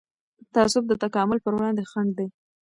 تعصب د تکامل پر وړاندې خنډ دی